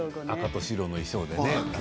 赤と白の衣装でね。